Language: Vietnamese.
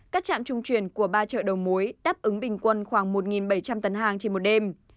các trạm trung chuyển của ba chợ đầu mối đáp ứng bình quân khoảng một bảy trăm linh tấn hàng trên một đêm